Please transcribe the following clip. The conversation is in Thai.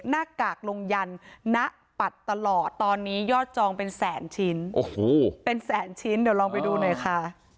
หน้ากากลงยันณปัดตลอดตอนนี้ยอดจองเป็นแสนชิ้นโอ้โหเป็นแสนชิ้นเดี๋ยวลองไปดูหน่อยค่ะ